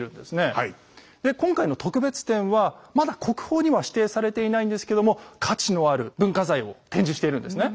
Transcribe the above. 今回の特別展はまだ国宝には指定されていないんですけども価値のある文化財を展示しているんですね。